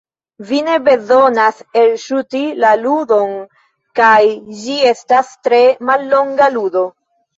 Vi ne bezonas elŝuti la ludon kaj ĝi estas tre mallonga ludo.